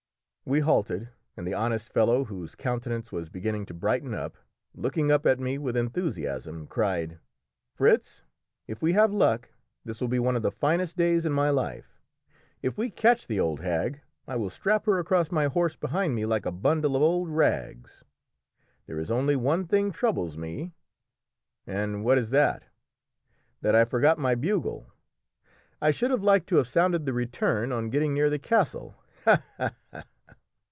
We halted, and the honest fellow, whose countenance was beginning to brighten up, looking up at me with enthusiasm, cried "Fritz, if we have luck this will be one of the finest days in my life. If we catch the old hag I will strap her across my horse behind me like a bundle of old rags. There is only one thing troubles me." "And what is that?" "That I forgot my bugle. I should have liked to have sounded the return on getting near the castle! Ha, ha, ha!"